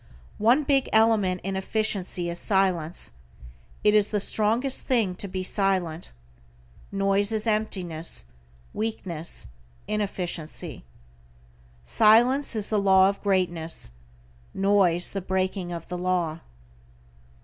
One big element in efficiency is silence. It is the strongest thing to be silent. Noise is emptiness, weakness, inefficiency. Silence is the law of greatness; noise the breaking of the law.